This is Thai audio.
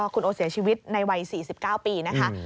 คุณโอเสียชีวิตในวัย๔๙ปีนะคะ